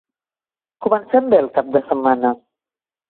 Comencem bé el cap de setmana.